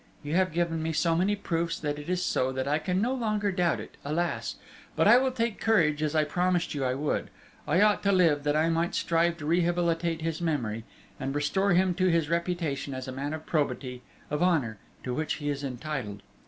You have given me so many proofs that it is so, that I can no longer doubt it, alas! But I will take courage, as I promised you I would. I ought to live, that I may strive to rehabilitate his memory, and restore to him his reputation as a man of probity, of honour, to which he is entitled.